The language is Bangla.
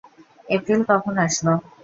এপ্রিল কখন আসলো?